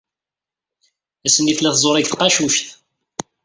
Ass-nni tella tẓuri deg tqacuct.